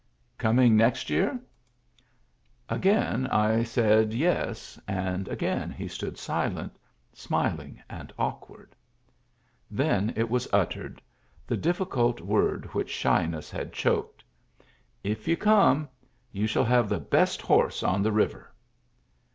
" Coming next year ?" Again I said yes, and again he stood silent, smiling and awkward. Then it was uttered ; the difficult word which shyness had choked :" If you come, you shall have the best horse on the river."